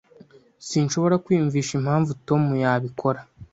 Sinshobora kwiyumvisha impamvu Tom yabikora.